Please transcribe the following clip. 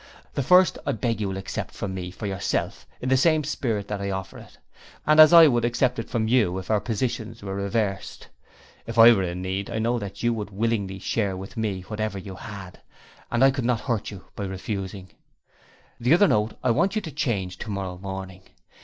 The first I beg you will accept from me for yourself in the same spirit that I offer it, and as I would accept it from you if our positions were reversed. If I were in need, I know that you would willingly share with me whatever you had and I could not hurt you by refusing. The other note I want you to change tomorrow morning.